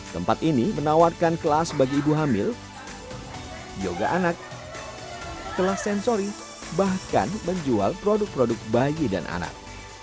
tempat ini menawarkan kelas bagi ibu hamil yoga anak kelas sensori bahkan menjual produk produk bayi dan anak